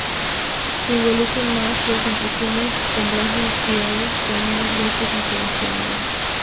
Se involucran más los empujones con brazos estirados con menos golpes intencionales.